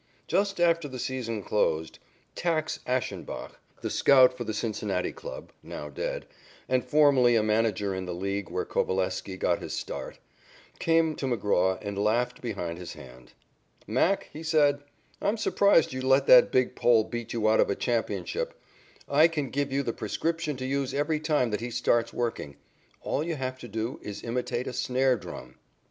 Just after the season closed, "Tacks" Ashenbach, the scout for the Cincinnati club, now dead, and formerly a manager in the league where Coveleski got his start, came to McGraw and laughed behind his hand. "Mac," he said, "I'm surprised you let that big Pole beat you out of a championship. I can give you the prescription to use every time that he starts working. All you have to do is to imitate a snare drum."